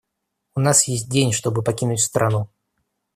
У нас есть день, чтобы покинуть страну.